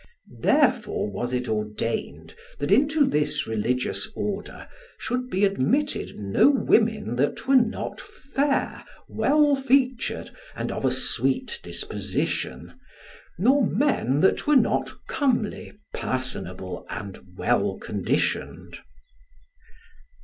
Therefore was it ordained that into this religious order should be admitted no women that were not fair, well featured, and of a sweet disposition; nor men that were not comely, personable, and well conditioned.